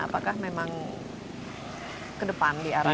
apakah memang ke depan diarahkan